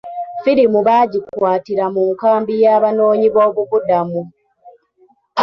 Firimu baagikwatira mu nkambi y'abanoonyiboobubudamu.